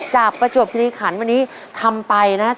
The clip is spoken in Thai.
จากประจวบพิธีขันฯวันนี้ทำไปนะครับ